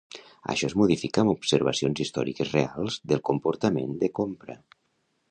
Això es modifica amb observacions històriques reals del comportament de compra.